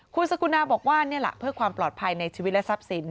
คุณสกุณาบอกว่านี่แหละเพื่อความปลอดภัยในชีวิตและทรัพย์สิน